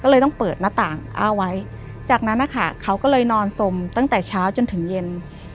ก็เลยต้องเปิดหน้าต่างอ้าไว้จากนั้นนะคะเขาก็เลยนอนสมตั้งแต่เช้าจนถึงเย็น